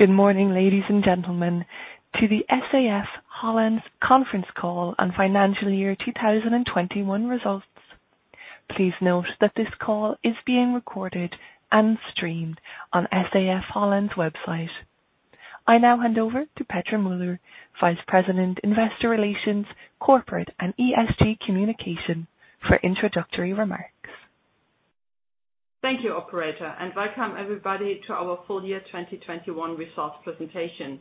Good morning, ladies and gentlemen, welcome to the SAF-HOLLAND Conference Call on Financial Year 2021 Results. Please note that this call is being recorded and streamed on SAF-Holland's website. I now hand over to Petra Müller, Head of Investor Relations, Corporate and ESG Communications for introductory remarks. Thank you, operator, and welcome everybody to our Full Year 2021 Results Presentation.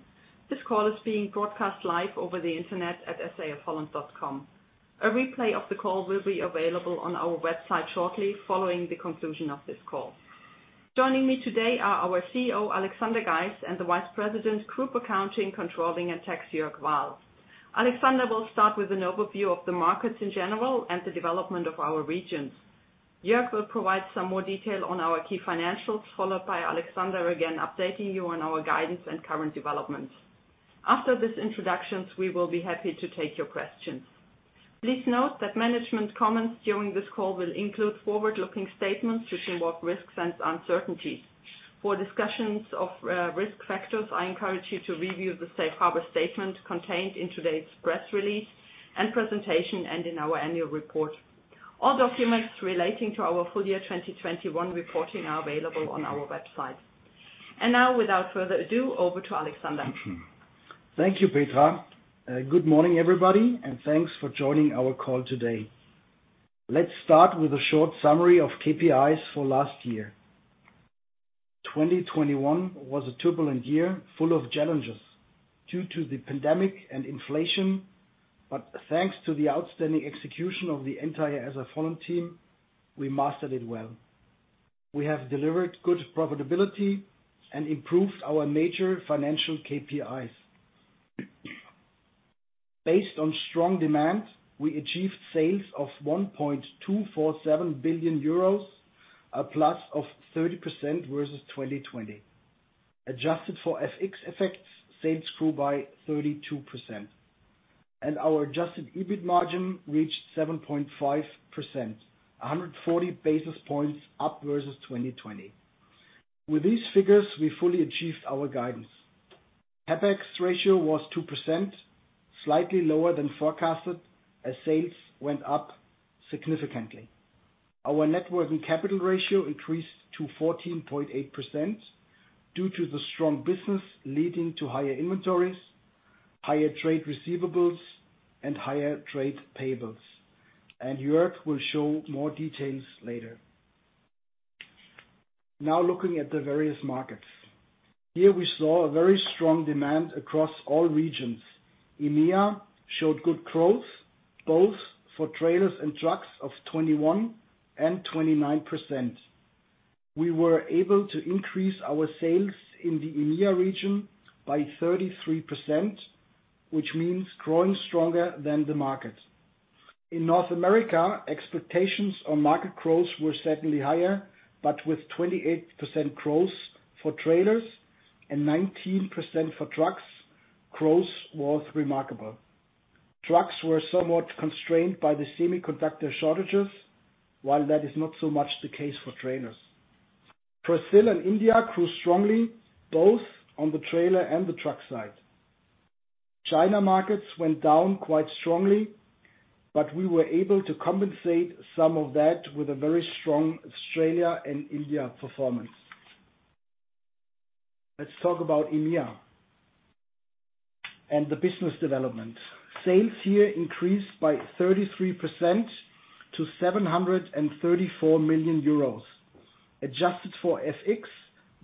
This call is being broadcast live over the internet at saf-holland.com. A replay of the call will be available on our website shortly following the conclusion of this call. Joining me today are our CEO, Alexander Geis, and the Vice President, Group Accounting, Controlling, and Tax, Jörg Wahl. Alexander will start with an overview of the markets in general and the development of our regions. Jörg will provide some more detail on our key financials, followed by Alexander again, updating you on our guidance and current developments. After these introductions, we will be happy to take your questions. Please note that management comments during this call will include forward-looking statements, which involve risks and uncertainties. For discussions of risk factors, I encourage you to review the safe harbor statement contained in today's press release and presentation and in our annual report. All documents relating to our full year 2021 reporting are available on our website. Now, without further ado, over to Alexander. Thank you, Petra. Good morning, everybody, and thanks for joining our call today. Let's start with a short summary of KPIs for last year. 2021 was a turbulent year full of challenges due to the pandemic and inflation, but thanks to the outstanding execution of the entire SAF-Holland team, we mastered it well. We have delivered good profitability and improved our major financial KPIs. Based on strong demand, we achieved sales of 1.247 billion euros, a +30% versus 2020. Adjusted for FX effects, sales grew by 32%, and our Adjusted EBIT margin reached 7.5%, 140 basis points up versus 2020. With these figures, we fully achieved our guidance. CapEx ratio was 2%, slightly lower than forecasted, as sales went up significantly. Our net working capital ratio increased to 14.8% due to the strong business leading to higher inventories, higher trade receivables, and higher trade payables. Jörg will show more details later. Now looking at the various markets. Here we saw a very strong demand across all regions. EMEA showed good growth, both for trailers and trucks of 21% and 29%. We were able to increase our sales in the EMEA region by 33%, which means growing stronger than the market. In North America, expectations on market growth were certainly higher, but with 28% growth for trailers and 19% growth for trucks, growth was remarkable. Trucks were somewhat constrained by the semiconductor shortages, while that is not so much the case for trailers. Brazil and India grew strongly, both on the trailer and the truck side. China markets went down quite strongly, but we were able to compensate some of that with a very strong Australia and India performance. Let's talk about EMEA and the business development. Sales here increased by 33% to 734 million euros. Adjusted for FX,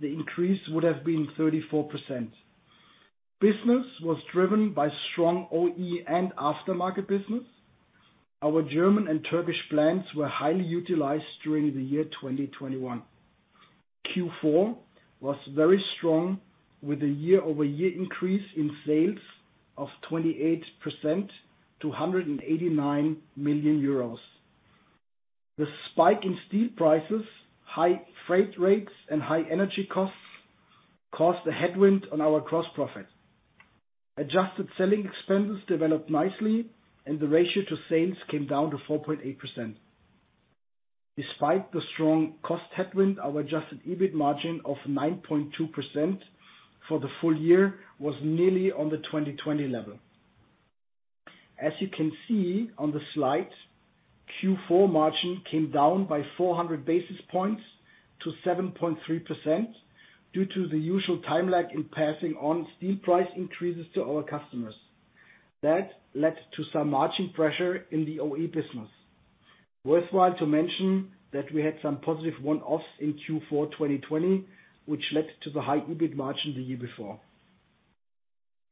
the increase would have been 34%. Business was driven by strong OE and aftermarket business. Our German and Turkish plants were highly utilized during the year 2021. Q4 was very strong with a year-over-year increase in sales of 28% to 189 million euros. The spike in steel prices, high freight rates, and high energy costs caused a headwind on our gross profit. Adjusted selling expenses developed nicely, and the ratio to sales came down to 4.8%. Despite the strong cost headwind, our Adjusted EBIT margin of 9.2% for the full year was nearly on the 2020 level. As you can see on the slide, Q4 margin came down by 400 basis points to 7.3% due to the usual time lag in passing on steel price increases to our customers. That led to some margin pressure in the OE business. Worthwhile to mention that we had some positive one-offs in Q4 2020, which led to the high EBIT margin the year before.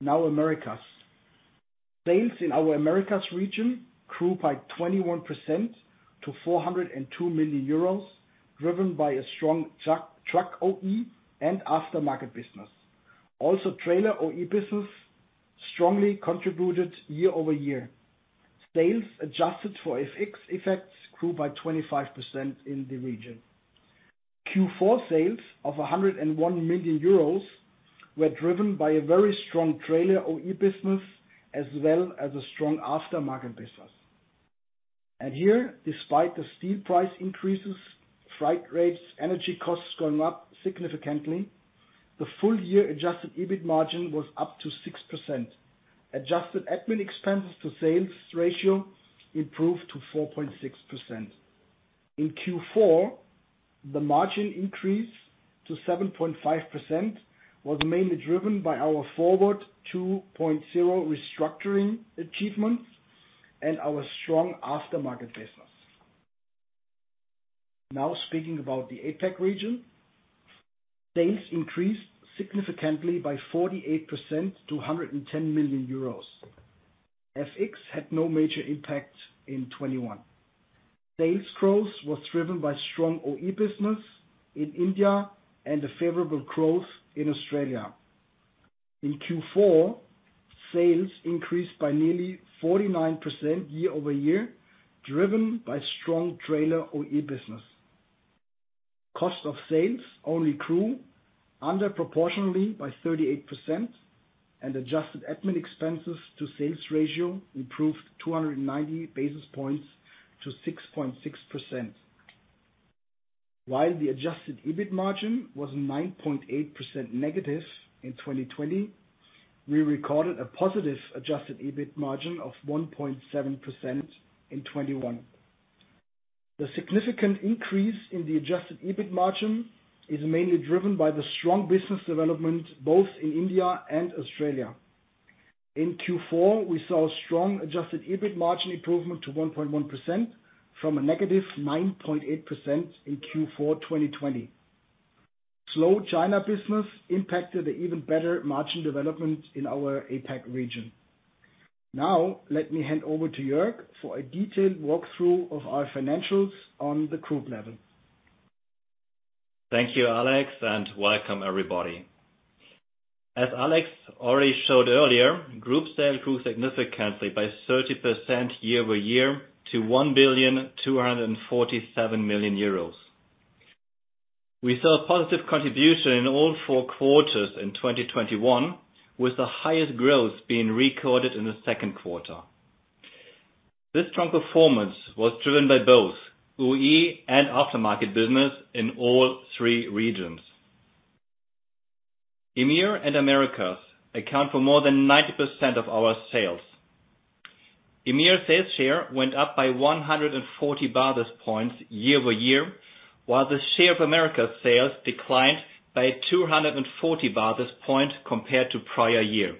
Now, Americas. Sales in our Americas region grew by 21% to 402 million euros, driven by a strong truck OE and aftermarket business. Also, trailer OE business strongly contributed year-over-year. Sales adjusted for FX effects grew by 25% in the region. Q4 sales of 101 million euros were driven by a very strong trailer OE business as well as a strong aftermarket business. Here, despite the steel price increases, freight rates, energy costs going up significantly, the full-year Adjusted EBIT margin was up to 6%. Adjusted admin expenses to sales ratio improved to 4.6%. In Q4, the margin increase to 7.5% was mainly driven by our Forward 2.0 restructuring achievements and our strong aftermarket business. Now speaking about the APAC region. Sales increased significantly by 48% to 110 million euros. FX had no major impact in 2021. Sales growth was driven by strong OE business in India and a favorable growth in Australia. In Q4, sales increased by nearly 49% year-over-year, driven by strong trailer OE business. Cost of sales only grew less than proportionally by 38%, and adjusted admin expenses to sales ratio improved 290 basis points to 6.6%. While the Adjusted EBIT margin was -9.8% in 2020, we recorded a positive Adjusted EBIT margin of 1.7% in 2021. The significant increase in the Adjusted EBIT margin is mainly driven by the strong business development, both in India and Australia. In Q4, we saw a strong Adjusted EBIT margin improvement to 1.1% from a -9.8% in Q4 2020. Slow China business impacted the even better margin development in our APAC region. Now, let me hand over to Jörg for a detailed walkthrough of our financials on the group level. Thank you, Alex, and welcome everybody. As Alex already showed earlier, group sales grew significantly by 30% year-over-year to 1,247 million euros. We saw a positive contribution in all four quarters in 2021, with the highest growth being recorded in Q2. This strong performance was driven by both OE and aftermarket business in all three regions. EMEA and Americas account for more than 90% of our sales. EMEA sales share went up by 140 basis points year-over-year, while the share of Americas' sales declined by 240 basis points compared to prior year.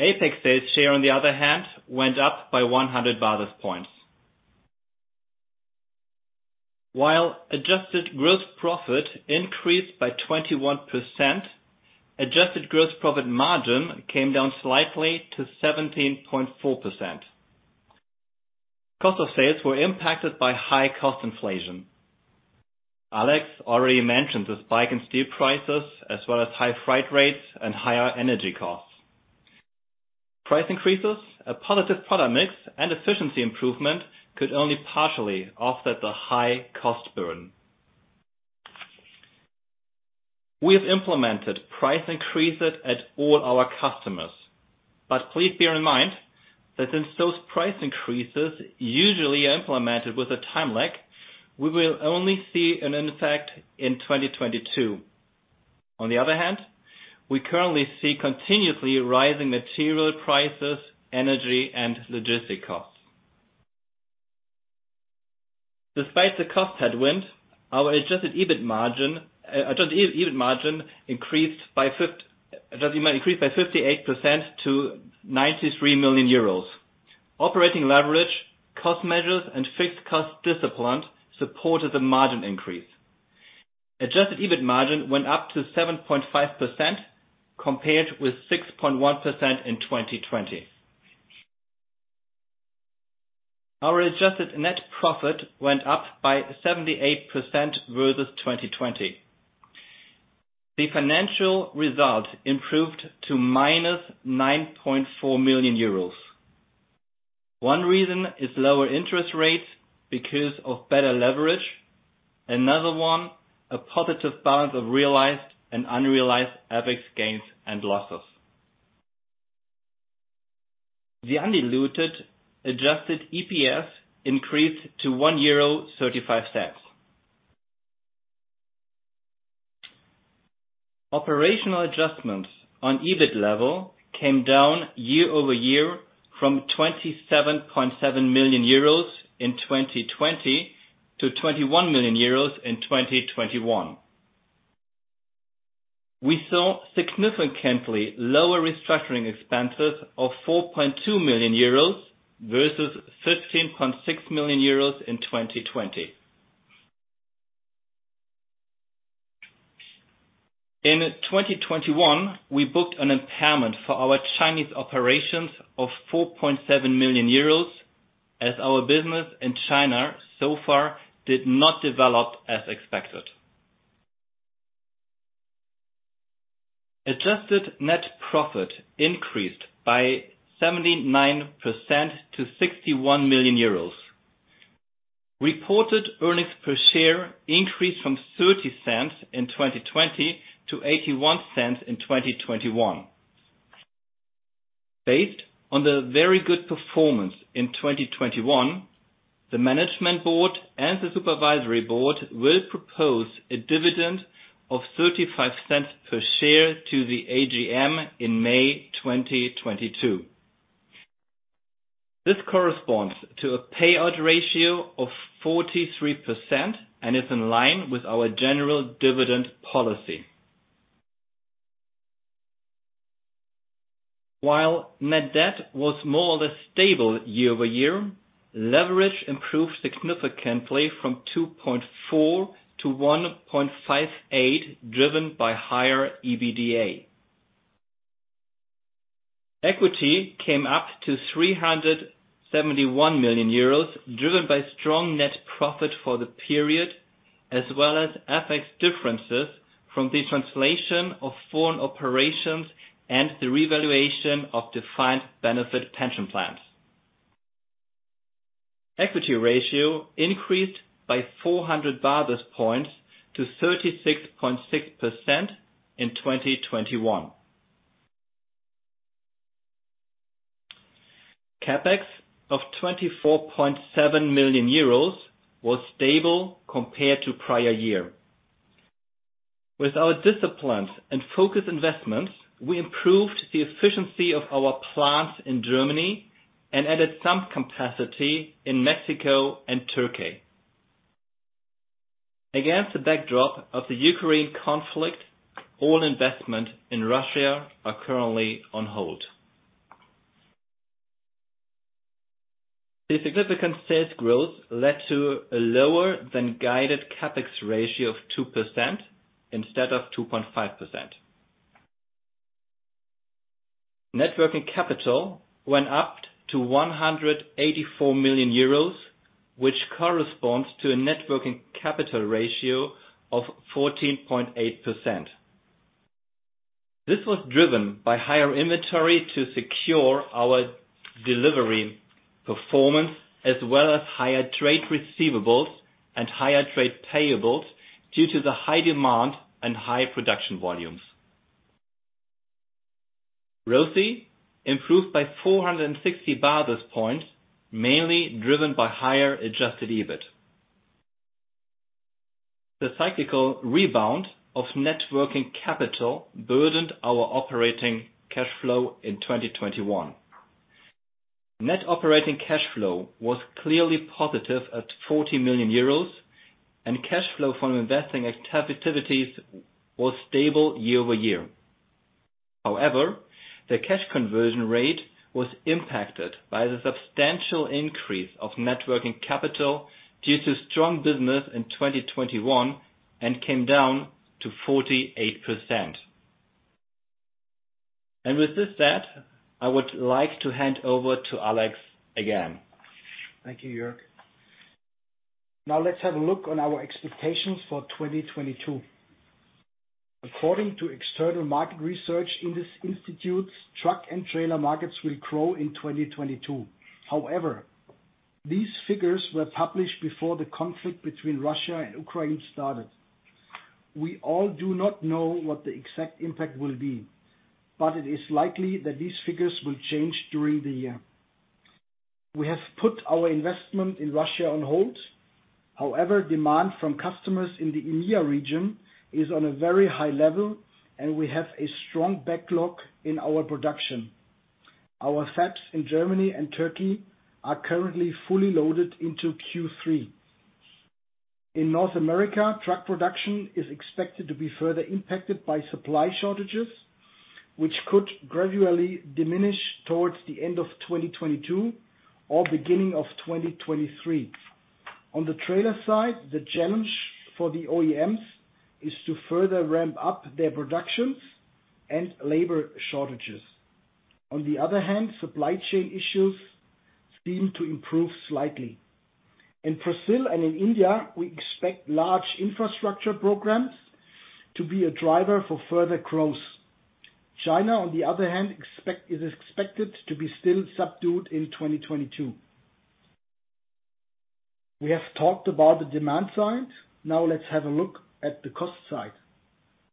APAC sales share, on the other hand, went up by 100 basis points. While adjusted gross profit increased by 21%, adjusted gross profit margin came down slightly to 17.4%. Cost of sales were impacted by high cost inflation. Alex already mentioned the spike in steel prices as well as high freight rates and higher energy costs. Price increases, a positive product mix, and efficiency improvement could only partially offset the high cost burden. We have implemented price increases at all our customers. Please bear in mind that since those price increases usually are implemented with a time lag, we will only see an impact in 2022. On the other hand, we currently see continuously rising material prices, energy, and logistics costs. Despite the cost headwind, our Adjusted EBIT increased by 58% to 93 million euros. Operating leverage, cost measures, and fixed cost discipline supported the margin increase. Adjusted EBIT margin went up to 7.5%, compared with 6.1% in 2020. Our adjusted net profit went up by 78% versus 2020. The financial result improved to -9.4 million euros. One reason is lower interest rates because of better leverage. Another one, a positive balance of realized and unrealized FX gains and losses. The undiluted adjusted EPS increased to 1.35 euro. Operational adjustments on EBIT level came down year over year from 27.7 in 2020 to 21 million euros in 2021. We saw significantly lower restructuring expenses of 4.2 versus 13.6 million in 2020. In 2021, we booked an impairment for our Chinese operations of 4.7 million euros as our business in China so far did not develop as expected. Adjusted net profit increased by 79% to 61 million euros. Reported earnings per share increased from 0.30 in 2020 to 0.81 in 2021. Based on the very good performance in 2021, the management board and the supervisory board will propose a dividend of 0.35 per share to the AGM in May 2022. This corresponds to a payout ratio of 43% and is in line with our general dividend policy. While net debt was more or less stable year-over-year, leverage improved significantly from 2.4 to 1.58, driven by higher EBITDA. Equity came up to 371 million euros, driven by strong net profit for the period, as well as FX differences from the translation of foreign operations and the revaluation of defined benefit pension plans. Equity ratio increased by 400 basis points to 36.6% in 2021. CapEx of 24.7 million euros was stable compared to prior year. With our disciplines and focus investments, we improved the efficiency of our plants in Germany and added some capacity in Mexico and Turkey. Against the backdrop of the Ukraine conflict, all investment in Russia are currently on hold. The significant sales growth led to a lower than guided CapEx ratio of 2% instead of 2.5%. Net working capital went up to 184 million euros, which corresponds to a net working capital ratio of 14.8%. This was driven by higher inventory to secure our delivery performance, as well as higher trade receivables and higher trade payables due to the high demand and high production volumes. ROCE improved by 460 basis points, mainly driven by higher Adjusted EBIT. The cyclical rebound of net working capital burdened our operating cash flow in 2021. Net operating cash flow was clearly positive at 40 million euros, and cash flow from investing activities was stable year-over-year. However, the cash conversion rate was impacted by the substantial increase of net working capital due to strong business in 2021 and came down to 48%. With this said, I would like to hand over to Alex again. Thank you, Jörg. Now let's have a look at our expectations for 2022. According to external market research from this institute, truck and trailer markets will grow in 2022. However, these figures were published before the conflict between Russia and Ukraine started. We all do not know what the exact impact will be, but it is likely that these figures will change during the year. We have put our investment in Russia on hold. However, demand from customers in the EMEA region is on a very high level, and we have a strong backlog in our production. Our plants in Germany and Turkey are currently fully loaded into Q3. In North America, truck production is expected to be further impacted by supply shortages, which could gradually diminish towards the end of 2022 or beginning of 2023. On the trailer side, the challenge for the OEMs is to further ramp up their productions and labor shortages. On the other hand, supply chain issues seem to improve slightly. In Brazil and in India, we expect large infrastructure programs to be a driver for further growth. China, on the other hand, it is expected to be still subdued in 2022. We have talked about the demand side. Now let's have a look at the cost side.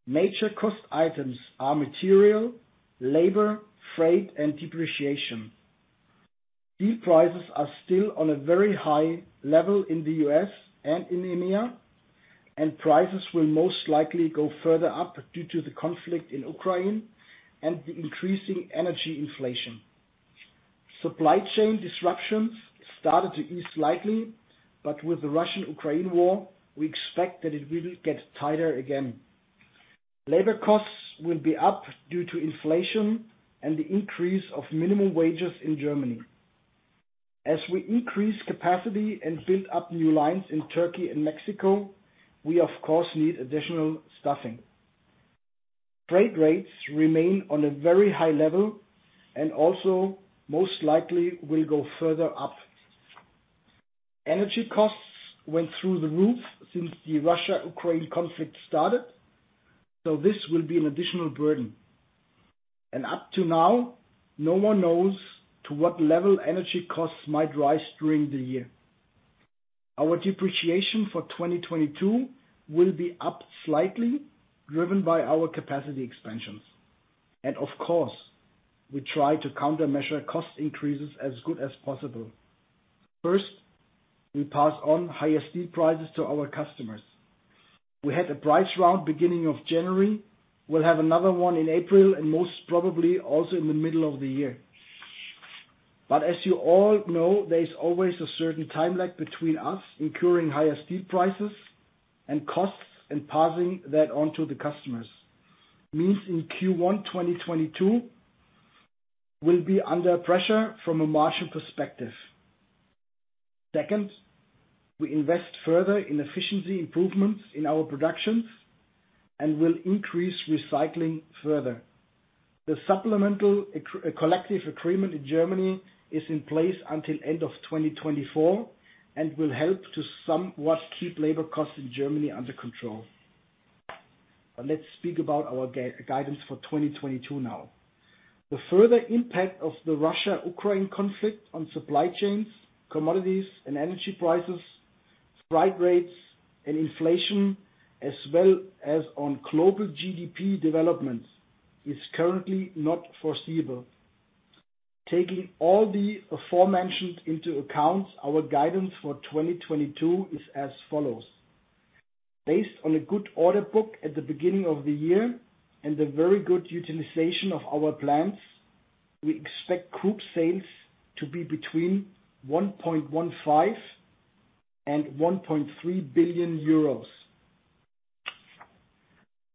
Major cost items are material, labor, freight, and depreciation. Steel prices are still on a very high level in the U.S. and in EMEA, and prices will most likely go further up due to the conflict in Ukraine and the increasing energy inflation. Supply chain disruptions started to ease slightly, but with the Russia-Ukraine war, we expect that it will get tighter again. Labor costs will be up due to inflation and the increase of minimum wages in Germany. As we increase capacity and build up new lines in Turkey and Mexico, we of course need additional staffing. Freight rates remain on a very high level and also most likely will go further up. Energy costs went through the roof since the Russia-Ukraine conflict started, so this will be an additional burden. Up to now, no one knows to what level energy costs might rise during the year. Our depreciation for 2022 will be up slightly, driven by our capacity expansions. Of course, we try to countermeasure cost increases as good as possible. First, we pass on higher steel prices to our customers. We had a price round beginning of January. We'll have another one in April and most probably also in the middle of the year. As you all know, there is always a certain time lag between us incurring higher steel prices and costs and passing that on to the customers. That means in Q1 2022 will be under pressure from a margin perspective. Second, we invest further in efficiency improvements in our productions and will increase recycling further. The supplemental collective agreement in Germany is in place until end of 2024 and will help to somewhat keep labor costs in Germany under control. Let's speak about our guidance for 2022 now. The further impact of the Russia-Ukraine conflict on supply chains, commodities, and energy prices, freight rates, and inflation, as well as on global GDP developments, is currently not foreseeable. Taking all the aforementioned into account, our guidance for 2022 is as follows. Based on a good order book at the beginning of the year and a very good utilization of our plants, we expect group sales to be between 1.15 and 1.3 billion.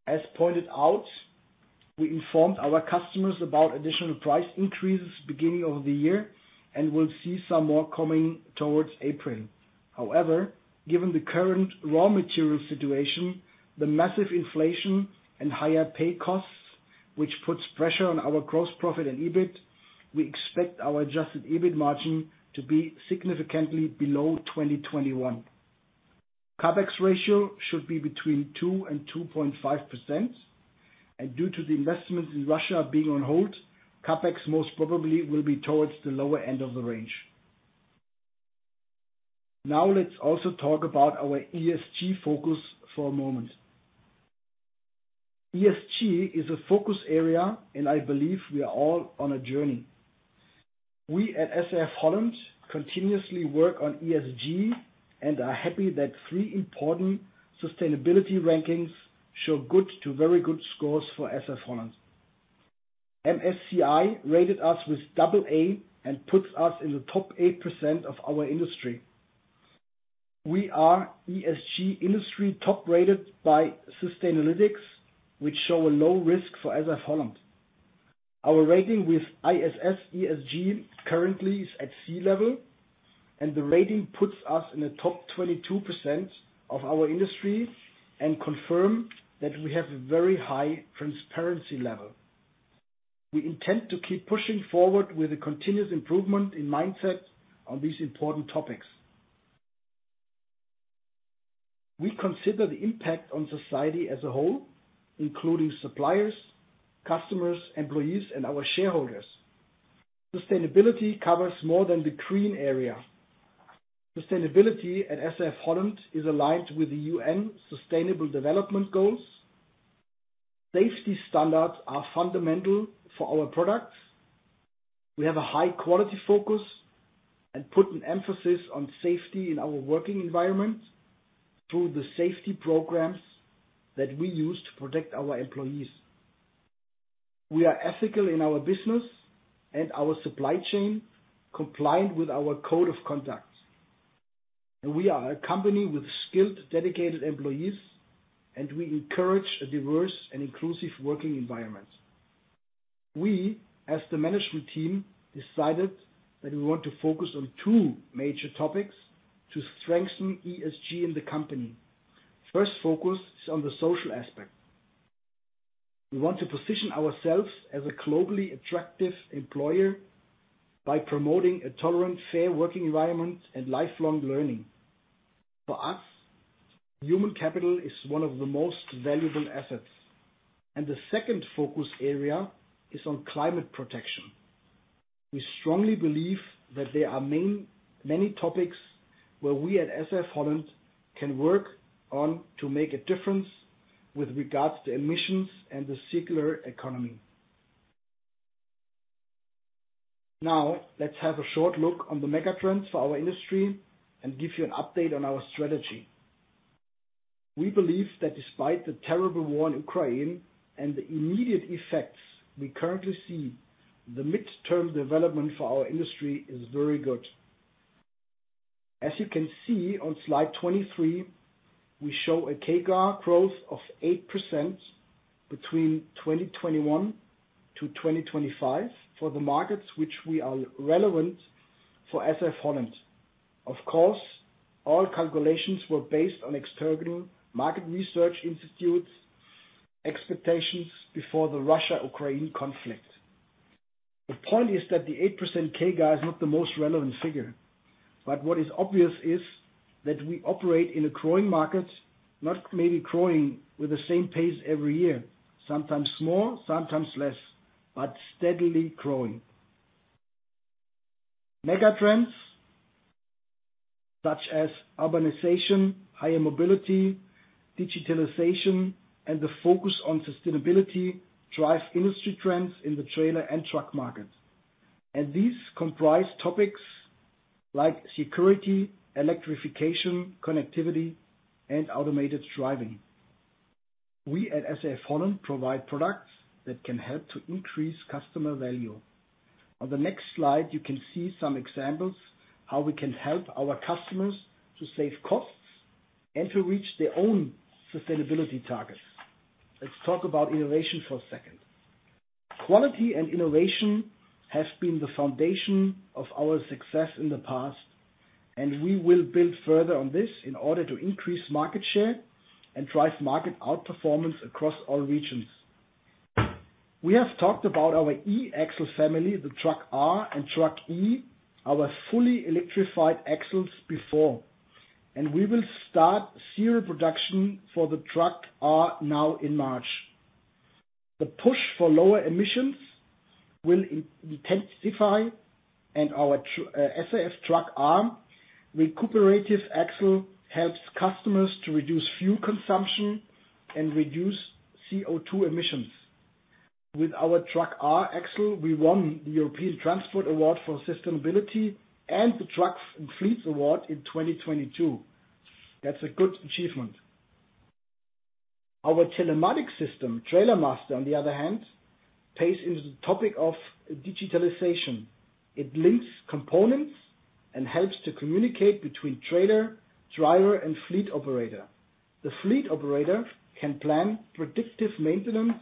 As pointed out, we informed our customers about additional price increases beginning of the year and will see some more coming towards April. However, given the current raw material situation, the massive inflation and higher pay costs, which puts pressure on our gross profit and EBIT, we expect our Adjusted EBIT margin to be significantly below 2021. CapEx ratio should be between 2% and 2.5%, and due to the investments in Russia being on hold, CapEx most probably will be towards the lower end of the range. Now let's also talk about our ESG focus for a moment. ESG is a focus area, and I believe we are all on a journey. We at SAF-Holland continuously work on ESG and are happy that three important sustainability rankings show good to very good scores for SAF-Holland. MSCI rated us with AA and puts us in the top 8% of our industry. We are ESG industry top-rated by Sustainalytics, which show a low risk for SAF-Holland. Our rating with ISS ESG currently is at C level, and the rating puts us in the top 22% of our industry and confirm that we have a very high transparency level. We intend to keep pushing forward with a continuous improvement in mindset on these important topics. We consider the impact on society as a whole, including suppliers, customers, employees, and our shareholders. Sustainability covers more than the green area. Sustainability at SAF-Holland is aligned with the UN Sustainable Development Goals. Safety standards are fundamental for our products. We have a high quality focus and put an emphasis on safety in our working environment through the safety programs that we use to protect our employees. We are ethical in our business and our supply chain, compliant with our code of conduct. We are a company with skilled, dedicated employees, and we encourage a diverse and inclusive working environment. We, as the management team, decided that we want to focus on two major topics to strengthen ESG in the company. First focus is on the social aspect. We want to position ourselves as a globally attractive employer by promoting a tolerant, fair working environment and lifelong learning. For us, human capital is one of the most valuable assets. The second focus area is on climate protection. We strongly believe that there are many topics where we at SAF-Holland can work on to make a difference with regards to emissions and the circular economy. Now, let's have a short look on the mega trends for our industry and give you an update on our strategy. We believe that despite the terrible war in Ukraine and the immediate effects we currently see, the mid-term development for our industry is very good. As you can see on slide 23, we show a CAGR growth of 8% between 2021-2025 for the markets which we are relevant for SAF-Holland. Of course, all calculations were based on external market research institutes expectations before the Russia-Ukraine conflict. The point is that the 8% CAGR value is not the most relevant figure. What is obvious is that we operate in a growing market, not maybe growing with the same pace every year, sometimes more, sometimes less, but steadily growing. Megatrends such as urbanization, higher mobility, digitalization, and the focus on sustainability drive industry trends in the trailer and truck market. These comprise topics like security, electrification, connectivity, and automated driving. We at SAF-Holland provide products that can help to increase customer value. On the next slide, you can see some examples how we can help our customers to save costs and to reach their own sustainability targets. Let's talk about innovation for a second. Quality and innovation has been the foundation of our success in the past, and we will build further on this in order to increase market share and drive market outperformance across all regions. We have talked about our E-axle family, the TRAKr and TRAKe, our fully electrified axles before, and we will start serial production for the TRAKr now in March. The push for lower emissions will intensify and our SAF TRAKr recuperative axle helps customers to reduce fuel consumption and reduce CO2 emissions. With our TRAKr axle, we won the European Transport Award for Sustainability and the Truck & Fleet Award in 2022. That's a good achievement. Our telematics system, TrailerMaster, on the other hand, pays into the topic of digitalization. It links components and helps to communicate between trailer, driver, and fleet operator. The fleet operator can plan predictive maintenance,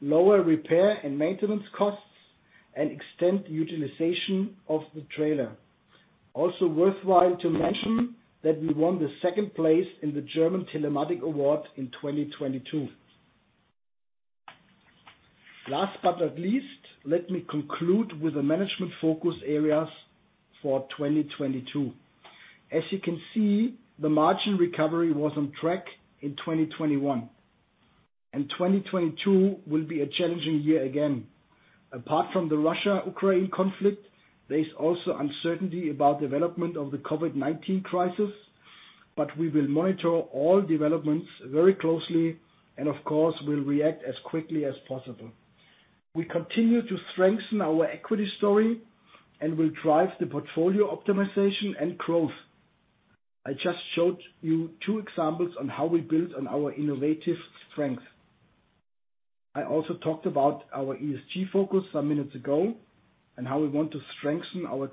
lower repair and maintenance costs, and extend utilization of the trailer. Also worthwhile to mention that we won the second place in the German Telematics Award in 2022. Last but not least, let me conclude with the management focus areas for 2022. As you can see, the margin recovery was on track in 2021, and 2022 will be a challenging year again. Apart from the Russia-Ukraine conflict, there is also uncertainty about development of the COVID-19 crisis, but we will monitor all developments very closely and of course, will react as quickly as possible. We continue to strengthen our equity story and will drive the portfolio optimization and growth. I just showed you two examples on how we build on our innovative strength. I also talked about our ESG focus some minutes ago and how we want to strengthen our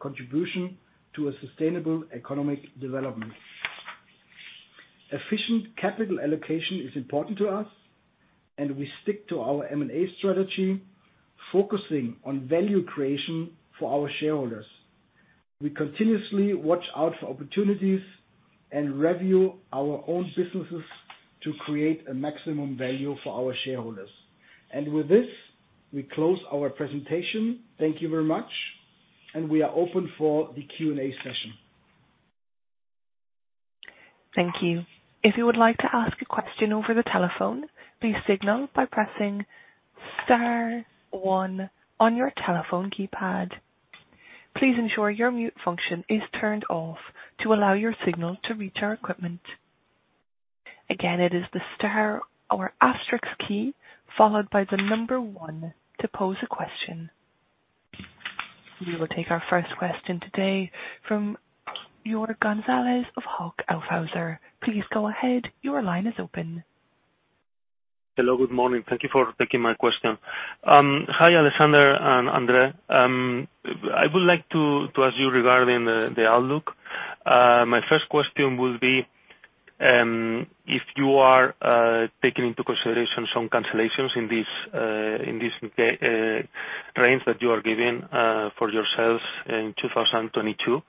contribution to a sustainable economic development. Efficient capital allocation is important to us, and we stick to our M&A strategy, focusing on value creation for our shareholders. We continuously watch out for opportunities and review our own businesses to create a maximum value for our shareholders. With this, we close our presentation. Thank you very much, and we are open for the Q&A session. Thank you. If you would like to ask a question over the telephone, please signal by pressing star one on your telephone keypad. Please ensure your mute function is turned off to allow your signal to reach our equipment. Again, it is the star or asterisk key, followed by the number one, to pose a question. We will take our first question today from Jorge González of Hauck Aufhäuser. Please go ahead. Your line is open. Hello, good morning. Thank you for taking my question. Hi, Alexander and Andreas. I would like to ask you regarding the outlook. My first question will be if you are taking into consideration some cancellations in this range that you are giving for your sales in 2022.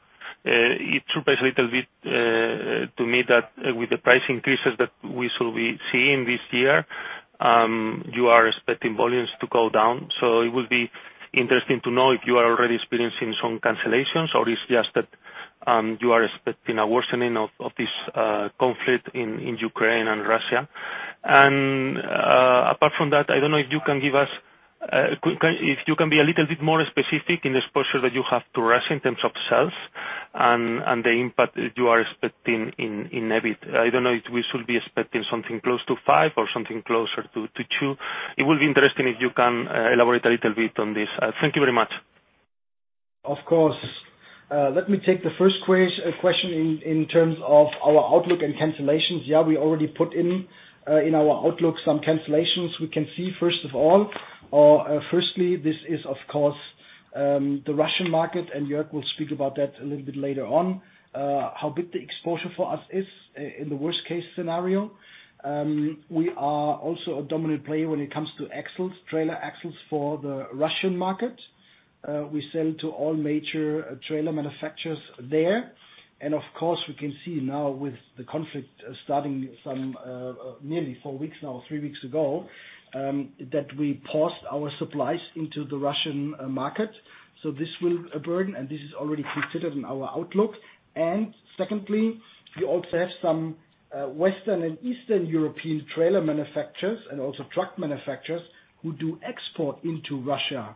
It surprised a little bit to me that with the price increases that we should be seeing this year, you are expecting volumes to go down. It would be interesting to know if you are already experiencing some cancellations or it's just that you are expecting a worsening of this conflict in Ukraine and Russia. Apart from that, I don't know if you can be a little bit more specific on the exposure that you have to Russia in terms of sales and the impact you are expecting in EBIT. I don't know if we should be expecting something close to five or something closer to two. It will be interesting if you can elaborate a little bit on this. Thank you very much. Of course. Let me take the first question in terms of our outlook and cancellations. Yeah, we already put in our outlook some cancellations. We can see, first of all, or firstly, this is, of course, the Russian market, and Jörg will speak about that a little bit later on, how big the exposure for us is in the worst case scenario. We are also a dominant player when it comes to axles, trailer axles for the Russian market. We sell to all major trailer manufacturers there. Of course, we can see now with the conflict starting nearly four weeks now, three weeks ago, that we paused our supplies into the Russian market, so this will burden, and this is already considered in our outlook. Secondly, we also have some Western and Eastern European trailer manufacturers and also truck manufacturers who do export into Russia.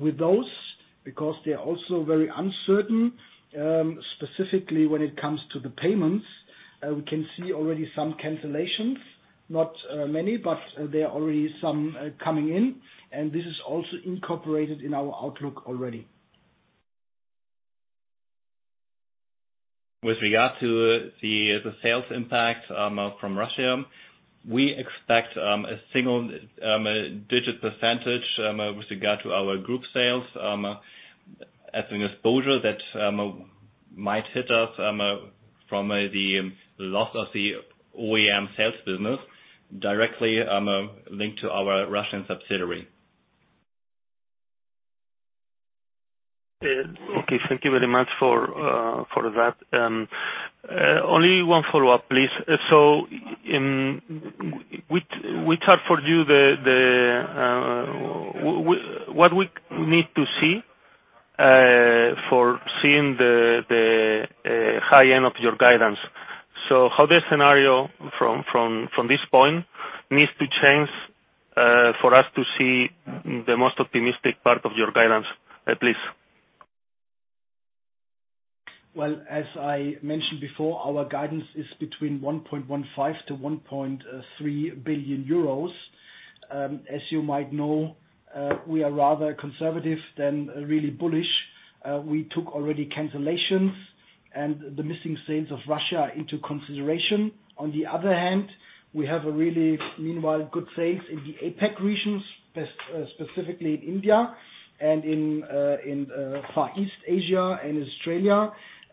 With those, because they're also very uncertain, specifically when it comes to the payments, we can see already some cancellations, not many, but there are already some coming in. This is also incorporated in our outlook already. With regard to the sales impact from Russia, we expect a single-digit percentage with regard to our group sales as an exposure that might hit us from the loss of the OEM sales business directly linked to our Russian subsidiary. Okay, thank you very much for that. Only one follow-up, please. How the scenario from this point needs to change for us to see the most optimistic part of your guidance, please? Well, as I mentioned before, our guidance is between 1.15-1.3 billion euros. As you might know, we are rather conservative than really bullish. We took already cancellations and the missing sales of Russia into consideration. On the other hand, we have a really, meanwhile, good sales in the APAC regions, specifically in India and in Far East Asia and Australia,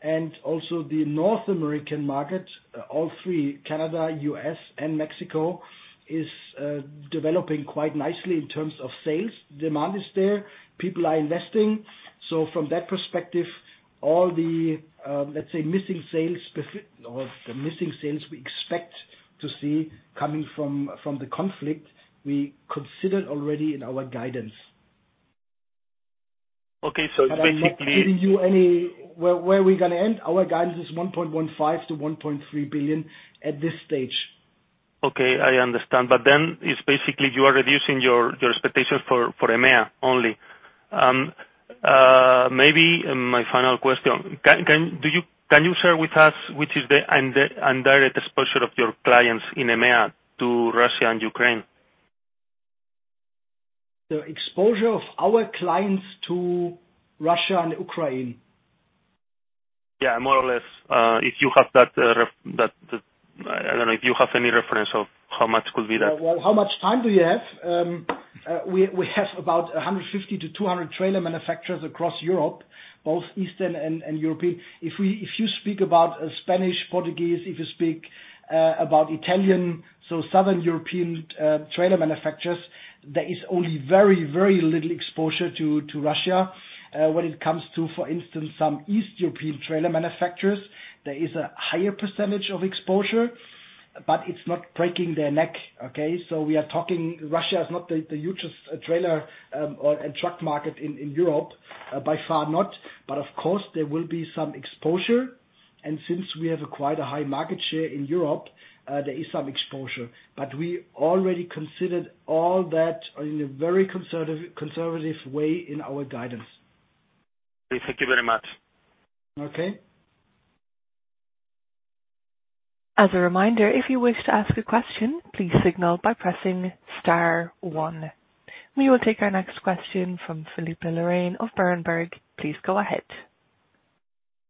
and also the North American market. All three, Canada, U.S., and Mexico, is developing quite nicely in terms of sales. Demand is there, people are investing. From that perspective, all the, let's say, missing sales, or the missing sales we expect to see coming from the conflict, we considered already in our guidance. Okay. Basically. I'm not giving you anywhere where we're gonna end. Our guidance is 1.15-1.3 billion at this stage. Okay, I understand. It's basically you are reducing your expectations for EMEA only. Maybe my final question. Can you share with us which is the indirect exposure of your clients in EMEA to Russia and Ukraine? The exposure of our clients to Russia and Ukraine? Yeah, more or less. If you have that ref, I don't know, if you have any reference of how much could be that. Well, how much time do you have? We have about 150 to 200 trailer manufacturers across Europe, both Eastern and European. If you speak about Spanish, Portuguese, if you speak about Italian, so Southern European trailer manufacturers, there is only very little exposure to Russia. When it comes to, for instance, some East European trailer manufacturers, there is a higher percentage of exposure, but it's not breaking their neck. Okay? We are talking, Russia is not the huge trailer or truck market in Europe. By far not. But of course there will be some exposure. And since we have quite a high market share in Europe, there is some exposure. But we already considered all that in a very conservative way in our guidance. Thank you very much. Okay. As a reminder, if you wish to ask a question, please signal by pressing star one. We will take our next question from Philippe Lorrain of Berenberg. Please go ahead.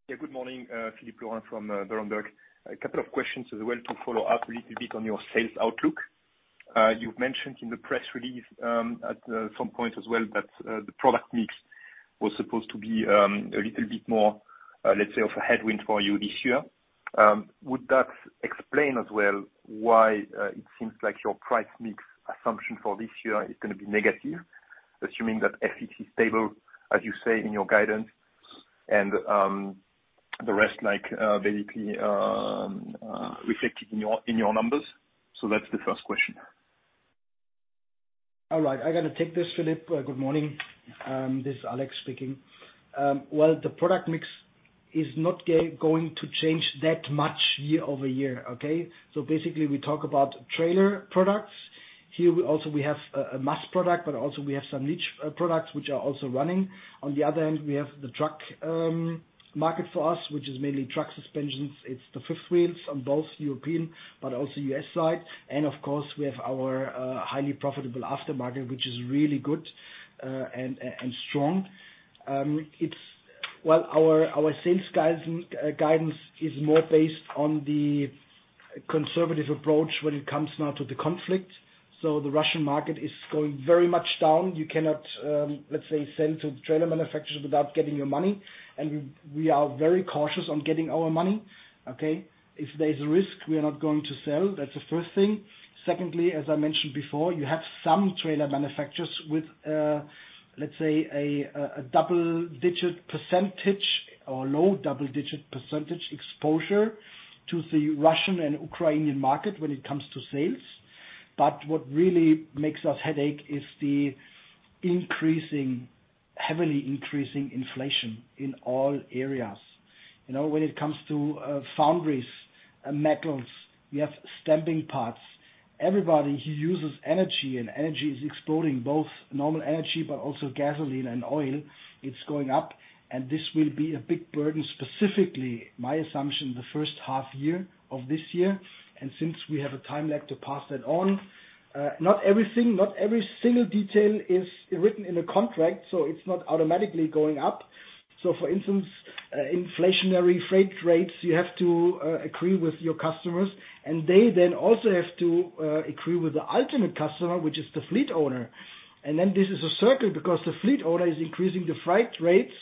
Yeah, good morning. Philippe Lorrain from Berenberg. A couple of questions as well to follow up a little bit on your sales outlook. You've mentioned in the press release, at some point as well that the product mix was supposed to be a little bit more, let's say, of a headwind for you this year. Would that explain as well why it seems like your price mix assumption for this year is gonna be negative, assuming that FX is stable, as you say in your guidance, and the rest like basically reflected in your numbers? That's the first question. All right. I'm gonna take this, Philippe. Good morning. This is Alex speaking. Well, the product mix is not going to change that much year-over-year. Okay? Basically we talk about trailer products. Here we also have a mass product, but also we have some niche products which are also running. On the other end, we have the truck market for us, which is mainly truck suspensions. It's the fifth wheels on both European but also U.S. side. Of course we have our highly profitable aftermarket, which is really good and strong. Well, our sales guidance is more based on the conservative approach when it comes now to the conflict. The Russian market is going very much down. You cannot, let's say, sell to trailer manufacturers without getting your money. We are very cautious on getting our money. Okay? If there's risk, we are not going to sell. That's the first thing. Secondly, as I mentioned before, you have some trailer manufacturers with, let's say a double-digit percentage in or low double-digit percentage exposure to the Russian and Ukrainian market when it comes to sales. But what really makes us headache is the increasing, heavily increasing inflation in all areas. You know, when it comes to foundries and metals, we have stamping parts. Everybody who uses energy, and energy is exploding, both normal energy but also gasoline and oil, it's going up, and this will be a big burden, specifically, my assumption, the first half year of this year. Since we have a time lag to pass that on, not everything, not every single detail is written in a contract, so it's not automatically going up. For instance, inflationary freight rates, you have to agree with your customers, and they then also have to agree with the ultimate customer, which is the fleet owner. This is a circle because the fleet owner is increasing the freight rates,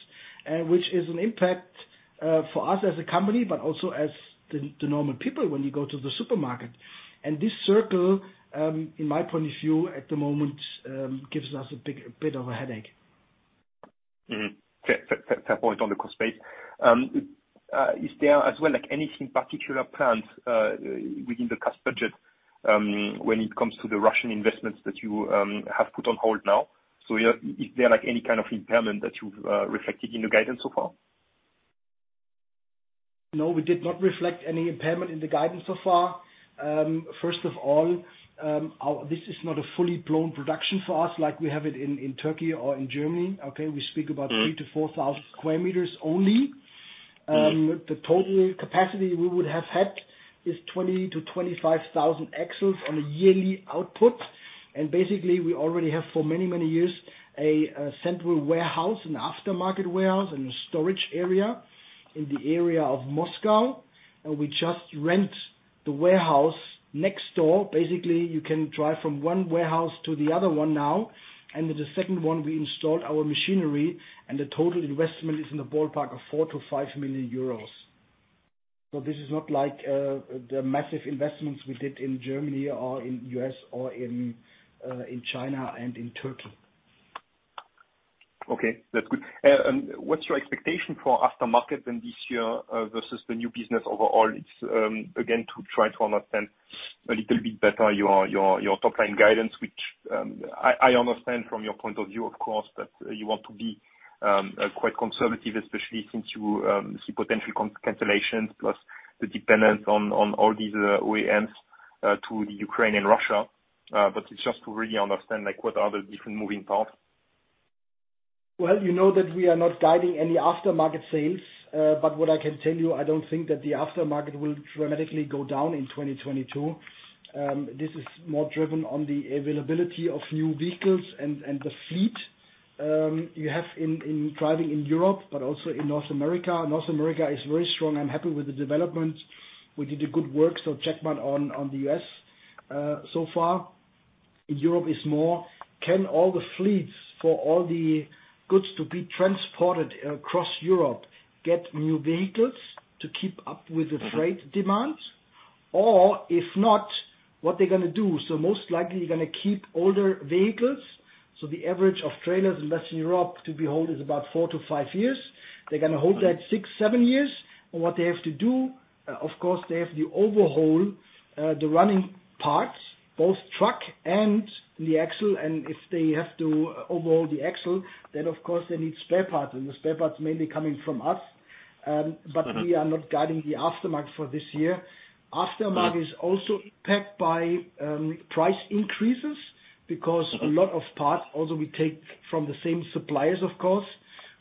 which is an impact for us as a company, but also as the normal people when you go to the supermarket. This circle, in my point of view, at the moment, gives us a big bit of a headache. Fair point on the cost base. Is there as well, like, anything particular planned within the cost budget, when it comes to the Russian investments that you have put on hold now? Is there, like, any kind of impairment that you've reflected in your guidance so far? No, we did not reflect any impairment in the guidance so far. First of all, this is not a fully blown production for us like we have it in Turkey or in Germany, okay? We speak about 3,000-4,000 sq m only. The total capacity we would have had is 20,000-25,000 axles on a yearly output. Basically, we already have for many, many years a central warehouse, an aftermarket warehouse, and a storage area in the area of Moscow, and we just rent the warehouse next door. Basically, you can drive from one warehouse to the other one now, and in the second one, we installed our machinery, and the total investment is in the ballpark of 4-5 million euros. This is not like the massive investments we did in Germany or in the U.S. or in China and in Turkey. Okay, that's good. What's your expectation for aftermarket then this year, versus the new business overall? It's again to try to understand a little bit better your top line guidance, which I understand from your point of view, of course, that you want to be quite conservative, especially since you see potential cancellations plus the dependence on all these OEMs to the Ukraine and Russia. It's just to really understand, like, what are the different moving parts. Well, you know that we are not guiding any aftermarket sales. What I can tell you, I don't think that the aftermarket will dramatically go down in 2022. This is more driven on the availability of new vehicles and the fleet you have operating in Europe but also in North America. North America is very strong. I'm happy with the development. We did a good work, so check mark on the U.S. so far. Europe is more, can all the fleets for all the goods to be transported across Europe get new vehicles to keep up with the freight demand? Or if not, what they gonna do? Most likely, you're gonna keep older vehicles. The average age of trailers in Western Europe is about four to five years. They're gonna hold that six, seven years. What they have to do, of course, they have to overhaul the running parts, both truck and the axle. If they have to overhaul the axle, then of course they need spare parts, and the spare parts are mainly coming from us. Uh-huh. We are not guiding the aftermarket for this year. Aftermarket is also impacted by price increases because a lot of parts, although we take from the same suppliers, of course,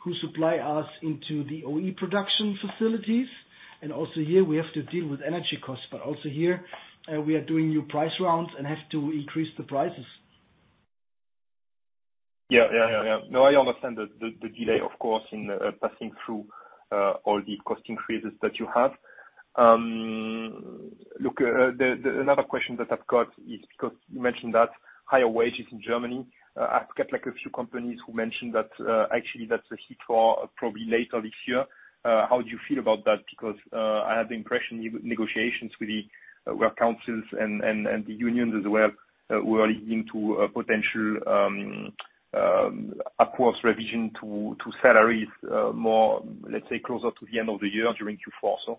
who supply us into the OE production facilities, and also here we have to deal with energy costs. Also here, we are doing new price rounds and have to increase the prices. Yeah. No, I understand the delay, of course, in passing through all the cost increases that you have. Look, another question that I've got is because you mentioned that higher wages in Germany. I've got, like, a few companies who mentioned that actually, that's a hit for probably later this year. How do you feel about that? Because I have the impression negotiations with the work councils and the unions as well were leading to a potential upwards revision to salaries more, let's say, closer to the end of the year during Q4, so.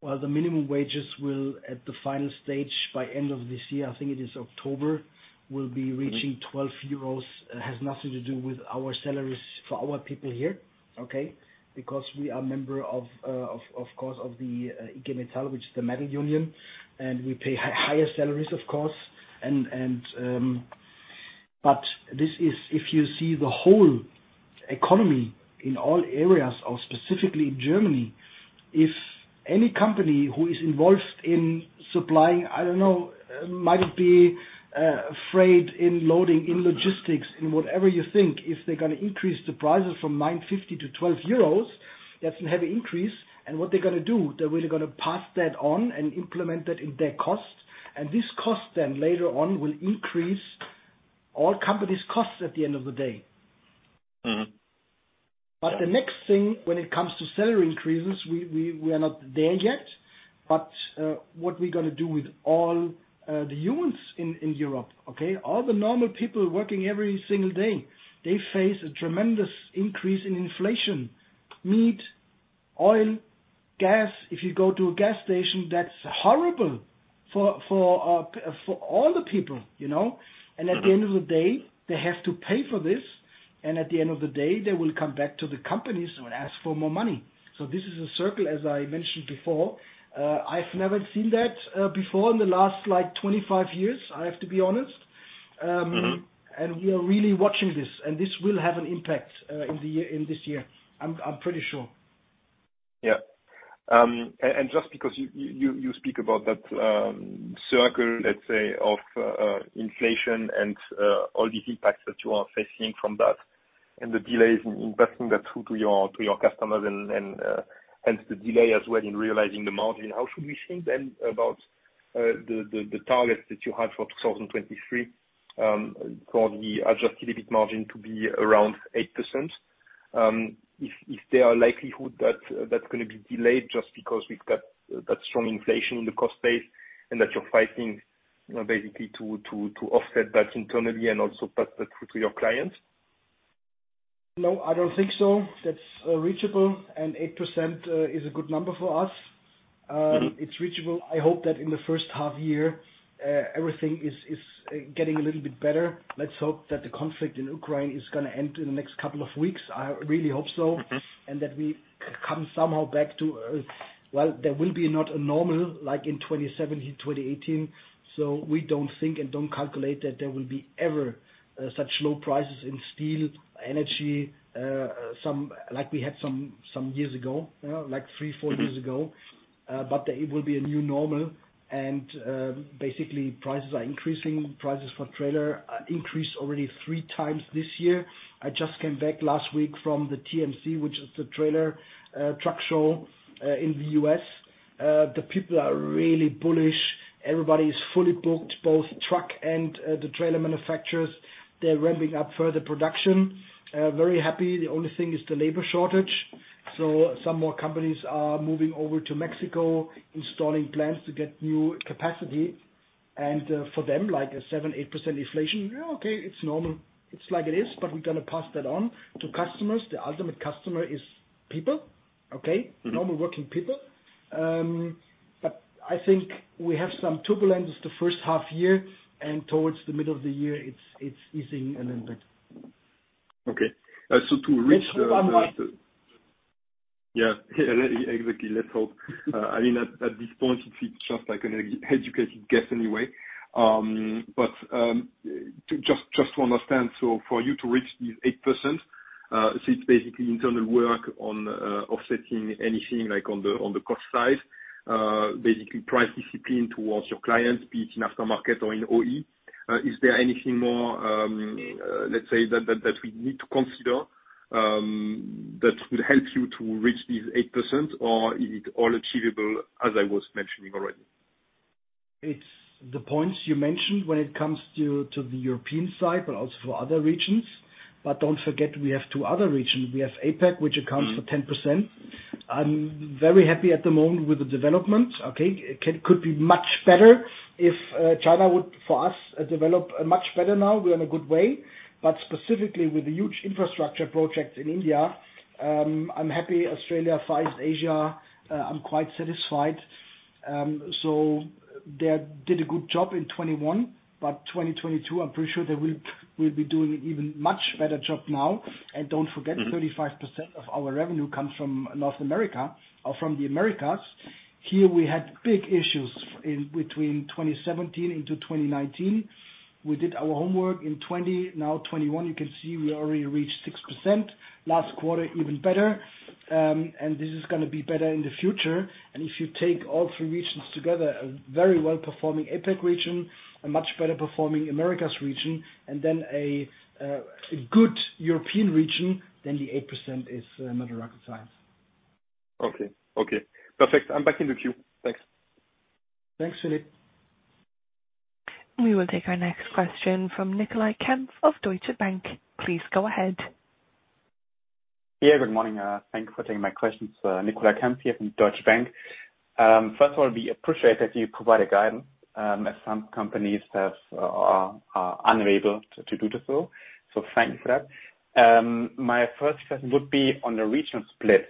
Well, the minimum wages will at the final stage by end of this year, I think it is October, will be reaching 12 euros. It has nothing to do with our salaries for our people here, okay? Because we are a member of course, IG Metall, which is the metal union, and we pay higher salaries, of course. This is if you see the whole economy in all areas or specifically Germany, if any company who is involved in supplying, I don't know, might it be freight, in loading, in logistics, in whatever you think, if they're gonna increase the prices from 9.50 to 12 euros, that's a heavy increase. What they're gonna do, they're really gonna pass that on and implement that in their cost. This cost then later on will increase all companies' costs at the end of the day. Mm-hmm. The next thing when it comes to salary increases, we are not there yet. What we gonna do with all the humans in Europe, okay? All the normal people working every single day, they face a tremendous increase in inflation. Meat, oil, gas. If you go to a gas station, that's horrible for all the people, you know? Mm-hmm. At the end of the day, they have to pay for this. At the end of the day, they will come back to the companies and ask for more money. This is a circle, as I mentioned before. I've never seen that before in the last, like, 25 years, I have to be honest. Mm-hmm. We are really watching this, and this will have an impact in the year, in this year. I'm pretty sure. Yeah. Just because you speak about that circle, let's say, of inflation and all these impacts that you are facing from that, and the delays in passing that through to your customers and hence the delay as well in realizing the margin, how should we think then about the targets that you have for 2023 for the Adjusted EBIT margin to be around 8%? Is there a likelihood that that's gonna be delayed just because we've got that strong inflation in the cost base, and that you're fighting, you know, basically to offset that internally and also put that through to your clients? No, I don't think so. That's reachable, and 8% is a good number for us. Mm-hmm. It's reachable. I hope that in the first half year, everything is getting a little bit better. Let's hope that the conflict in Ukraine is gonna end in the next couple of weeks. I really hope so. Mm-hmm. That we come somehow back to. Well, there will be not a normal like in 2017, 2018, so we don't think and don't calculate that there will be ever such low prices in steel, energy, like we had some years ago, you know, like three, four years ago. But it will be a new normal and basically prices are increasing. Prices for trailer increased already 3x this year. I just came back last week from the TMC, which is the trailer truck show in the U.S. The people are really bullish. Everybody is fully booked, both truck and the trailer manufacturers. They're revving up further production. Very happy. The only thing is the labor shortage. Some more companies are moving over to Mexico, installing plants to get new capacity. For them, like a 7%-8% inflation, okay, it's normal. It's like it is, but we're gonna pass that on to customers. The ultimate customer is people, okay? Mm-hmm. Normal working people. I think we have some turbulence the first half year, and towards the middle of the year it's easing a little bit. Okay. To reach the Let's hope I'm right. Yeah. Yeah, exactly. Let's hope. I mean, at this point it's just like an educated guess anyway. To just to understand, so for you to reach these 8%, so it's basically internal work on offsetting anything like on the cost side, basically price discipline towards your clients, be it in aftermarket or in OE. Is there anything more, let's say that we need to consider, that would help you to reach these 8%, or is it all achievable as I was mentioning already? It's the points you mentioned when it comes to the European side, but also for other regions. Don't forget we have two other regions. We have APAC, which accounts for 10%. Mm-hmm. I'm very happy at the moment with the development. Okay. It could be much better if China would, for us, develop much better now. We're in a good way. Specifically with the huge infrastructure projects in India, I'm happy. Australia, Far East Asia, I'm quite satisfied. They did a good job in 2021. 2022, I'm pretty sure they will be doing even much better job now. Don't forget- Mm-hmm. 35% of our revenue comes from North America or from the Americas. Here we had big issues in between 2017 into 2019. We did our homework in 2020. Now 2021, you can see we already reached 6%. Last quarter, even better. This is gonna be better in the future. If you take all three regions together, a very well-performing APAC region, a much better performing Americas region, and then a good European region, then the 8% is not rocket science. Okay. Okay. Perfect. I'm back in the queue. Thanks. Thanks, Philippe. We will take our next question from Nicolai Kempf of Deutsche Bank. Please go ahead. Yeah, good morning. Thank you for taking my questions. Nicolai Kempf here from Deutsche Bank. First of all, we appreciate that you provided guidance, as some companies are unable to do so. Thank you for that. My first question would be on the region split.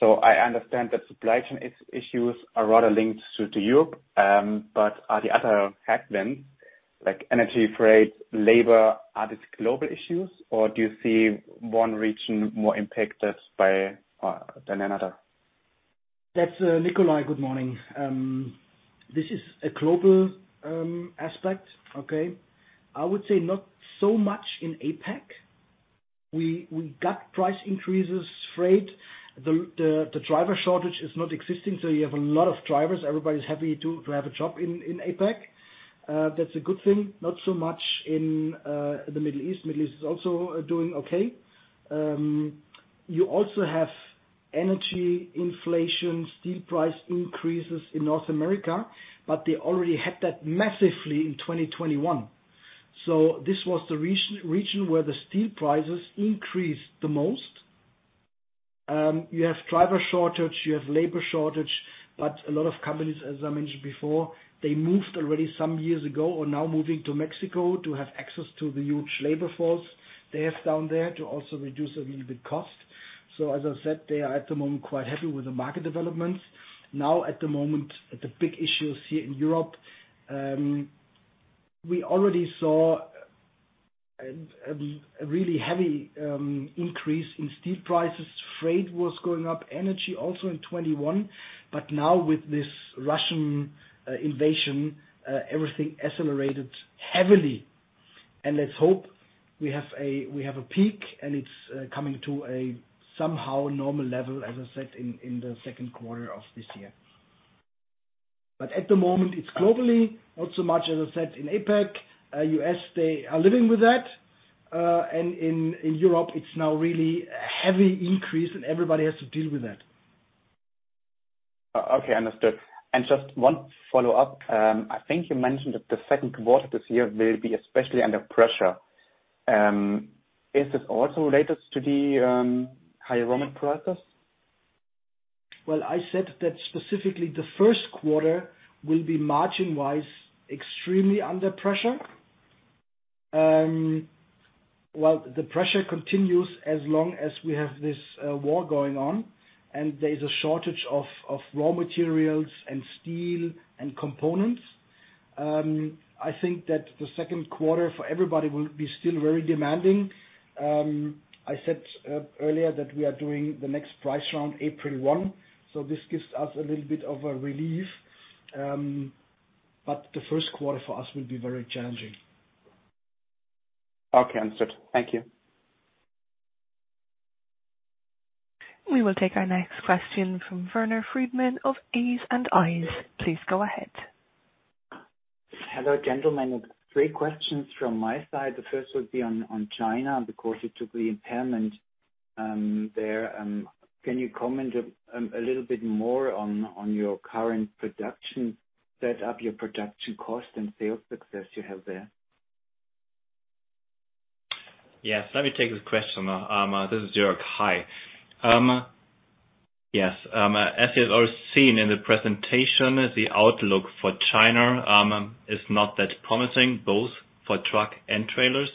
I understand that supply chain issues are rather linked to Europe, but are the other impacts then, like energy, freight, labor, these global issues, or do you see one region more impacted than another? That's, Nicolai. Good morning. This is a global aspect. Okay? I would say not so much in APAC. We got price increases, freight. The driver shortage is not existing, so you have a lot of drivers. Everybody's happy to have a job in APAC. That's a good thing. Not so much in the Middle East. Middle East is also doing okay. You also have energy inflation, steel price increases in North America, but they already had that massively in 2021. This was the region where the steel prices increased the most. You have driver shortage, you have labor shortage, but a lot of companies, as I mentioned before, they moved already some years ago or now moving to Mexico to have access to the huge labor force they have down there to also reduce a little bit cost. As I said, they are at the moment quite happy with the market developments. Now at the moment, the big issues here in Europe, we already saw a really heavy increase in steel prices. Freight was going up, energy also in 2021. Now with this Russian invasion, everything accelerated heavily. Let's hope we have a peak, and it's coming to a somehow normal level, as I said, in the second quarter of this year. At the moment, it's globally, not so much, as I said, in APAC. U.S., they are living with that. In Europe, it's now really a heavy increase, and everybody has to deal with that. Just one follow-up. I think you mentioned that the Q2 this year will be especially under pressure. Is this also related to the high raw material prices? Well, I said that specifically Q1 will be margin-wise extremely under pressure. Well, the pressure continues as long as we have this war going on, and there is a shortage of raw materials and steel and components. I think that Q2 for everybody will be still very demanding. I said earlier that we are doing the next price round April 1, so this gives us a little bit of a relief. Q1 for us will be very challenging. Okay, understood. Thank you. We will take our next question from Werner Friedmann of A's and I's. Please go ahead. Hello, gentlemen. Three questions from my side. The first would be on China and the costs you took the impairment there. Can you comment a little bit more on your current production setup, your production cost, and sales success you have there? Yes. Let me take this question. This is Jörg. Hi. Yes. As you have all seen in the presentation, the outlook for China is not that promising, both for truck and trailers.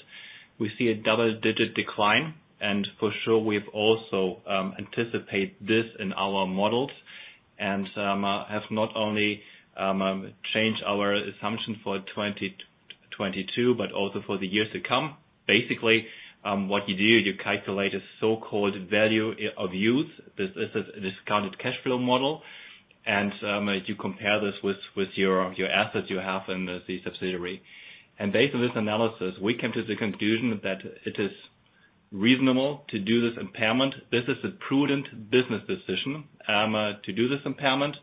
We see a double-digit decline, and for sure we also anticipate this in our models, and have not only changed our assumption for 2022, but also for the years to come. Basically, what you do, you calculate a so-called value of use. This is a discounted cash flow model. You compare this with your assets you have in the subsidiary. Based on this analysis, we came to the conclusion that it is reasonable to do this impairment. This is a prudent business decision to do this impairment.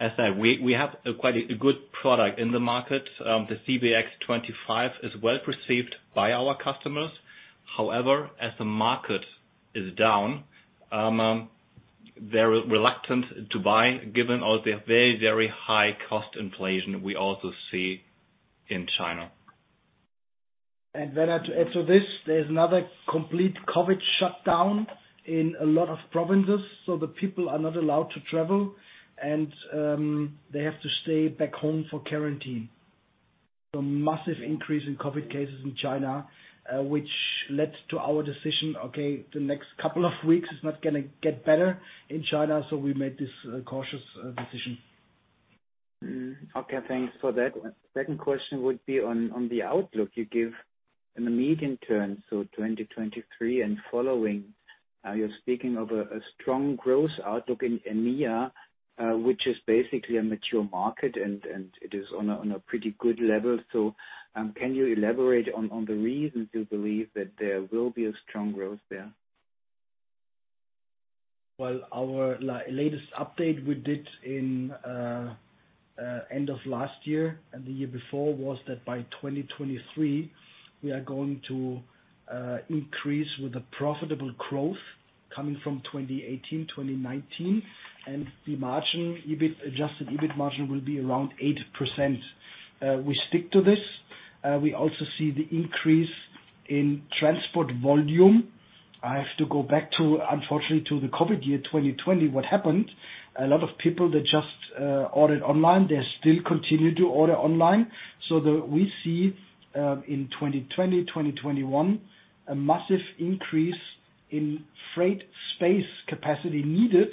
As said, we have quite a good product in the market. The CBX25 is well received by our customers. However, as the market is down, they're reluctant to buy, given all the very, very high cost inflation we also see in China. Werner, to add to this, there's another complete COVID shutdown in a lot of provinces, so the people are not allowed to travel and they have to stay back home for quarantine. Massive increase in COVID cases in China, which led to our decision, okay, the next couple of weeks is not gonna get better in China, so we made this, cautious, decision. Okay, thanks for that. Second question would be on the outlook you give in the medium term, so 2023 and following. You're speaking of a strong growth outlook in EMEA, which is basically a mature market and it is on a pretty good level. Can you elaborate on the reasons you believe that there will be a strong growth there? Well, our latest update we did in end of last year and the year before was that by 2023, we are going to increase with the profitable growth coming from 2018, 2019, and the margin, EBIT, Adjusted EBIT margin will be around 8%. We stick to this. We also see the increase in transport volume. I have to go back to, unfortunately, to the COVID year, 2020, what happened, a lot of people that just ordered online, they still continue to order online. We see in 2020, 2021, a massive increase in freight space capacity needed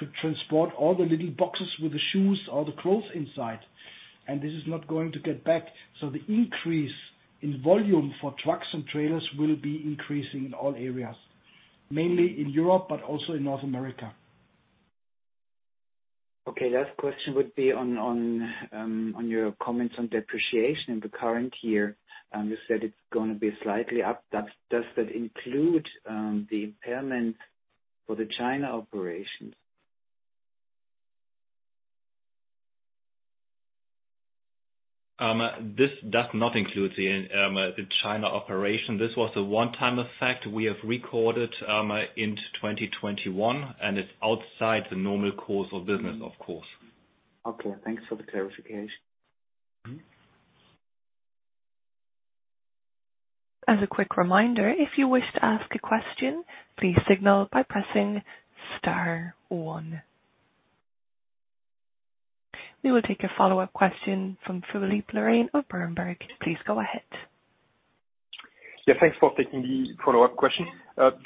to transport all the little boxes with the shoes or the clothes inside. This is not going to get back. The increase in volume for trucks and trailers will be increasing in all areas, mainly in Europe but also in North America. Okay. Last question would be on your comments on depreciation in the current year. You said it's gonna be slightly up. Does that include the impairment for the China operations? This does not include the China operation. This was a one-time effect we have recorded in 2021, and it's outside the normal course of business, of course. Okay, thanks for the clarification. As a quick reminder, if you wish to ask a question, please signal by pressing star one. We will take a follow-up question from Philippe Lorrain of Berenberg. Please go ahead. Yeah, thanks for taking the follow-up question.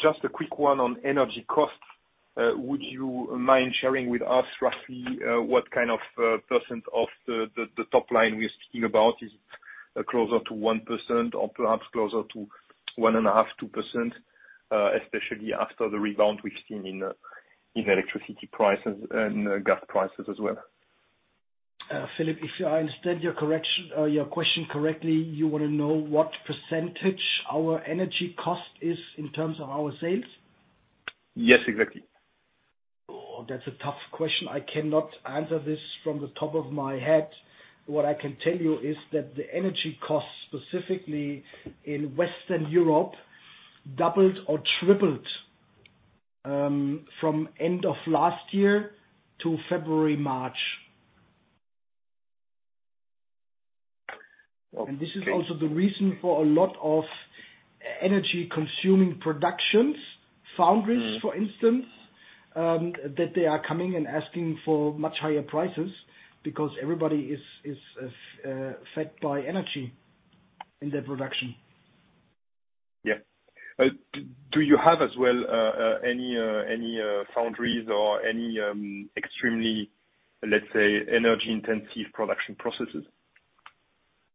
Just a quick one on energy costs. Would you mind sharing with us roughly what kind of percent of the top line we're speaking about? Is it closer to 1% or perhaps closer to 1.5%-2%, especially after the rebound we've seen in electricity prices and gas prices as well? Philippe, if I understand your question correctly, you wanna know what percentage our energy cost is in terms of our sales? Yes, exactly. Oh, that's a tough question. I cannot answer this from the top of my head. What I can tell you is that the energy costs, specifically in Western Europe, doubled or tripled, from end of last year to February, March. Okay. This is also the reason for a lot of energy-consuming productions, foundries for instance, that they are coming and asking for much higher prices because everybody is fed by energy in their production. Yeah. Do you have as well any foundries or any extremely, let's say, energy-intensive production processes?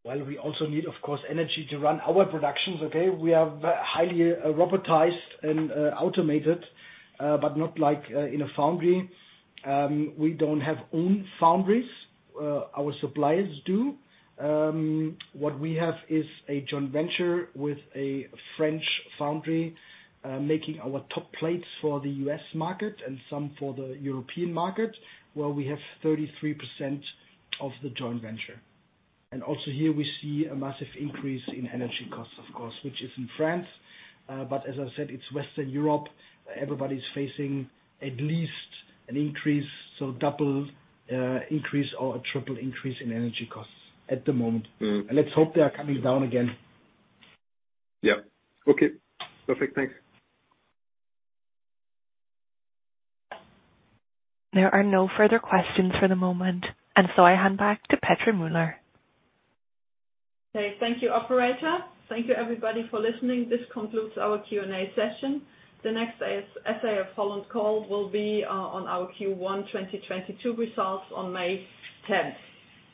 Well, we also need, of course, energy to run our productions, okay? We are highly robotized and automated, but not like in a foundry. We don't have own foundries, our suppliers do. What we have is a joint venture with a French foundry making our top plates for the U.S. market and some for the European market, where we have 33% of the joint venture. Also here we see a massive increase in energy costs, of course, which is in France. But as I said, it's Western Europe. Everybody's facing at least an increase, so double increase or a triple increase in energy costs at the moment. Mm-hmm. Let's hope they are coming down again. Yeah. Okay, perfect. Thanks. There are no further questions for the moment, and so I hand back to Petra Müller. Okay. Thank you, operator. Thank you everybody for listening. This concludes our Q&A session. The next SAF-Holland call will be on our Q1 2022 results on May 10.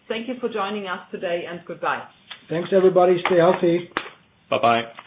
Thank you for joining us today, and goodbye. Thanks everybody. Stay healthy. Bye-bye.